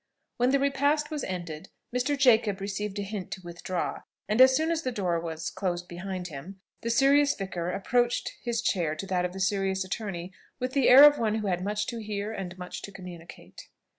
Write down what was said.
When the repast was ended, Mr. Jacob received a hint to withdraw; and as soon as the door was closed behind him, the serious vicar approached his chair to that of the serious attorney, with the air of one who had much to hear, and much to communicate.